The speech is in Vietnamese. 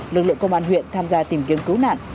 lực lượng công an huyện tham gia tìm kiếm cứu nạn